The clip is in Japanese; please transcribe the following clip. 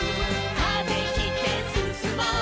「風切ってすすもう」